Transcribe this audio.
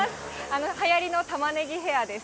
はやりのたまねぎヘアです。